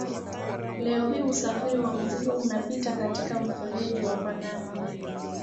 Leo hii usafiri wa mizigo unapita katika mfereji wa Panama.